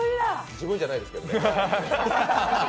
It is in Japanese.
自分じゃないですけどね。